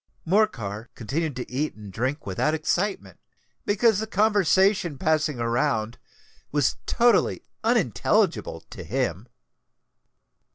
Morcar continued to eat and drink without excitement, because the conversation passing around was totally unintelligible to him.